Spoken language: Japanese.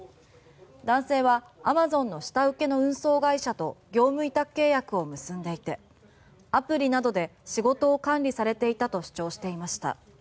男性はアマゾンの下請けの運送会社と業務委託契約を結んでいてアプリなどで仕事を管理されていたと主張していました。